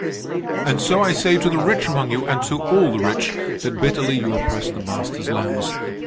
"And so I say to the rich among you, and to all the rich, that bitterly you oppress the Master's lambs.